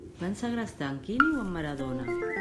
Van segrestar en Quini o en Maradona?